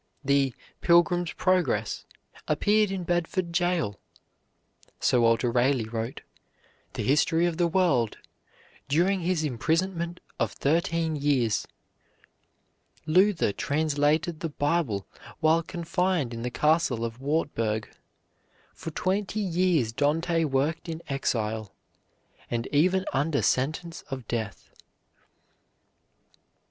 The "Pilgrim's Progress" appeared in Bedford Jail, Sir Walter Raleigh wrote "The History of the World" during his imprisonment of thirteen years. Luther translated the Bible while confined in the Castle of Wartburg. For twenty years Dante worked in exile, and even under sentence of death.